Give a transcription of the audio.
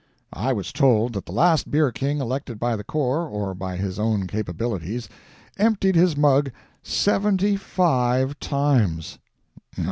I was told that the last beer king elected by the corps or by his own capabilities emptied his mug seventy five times.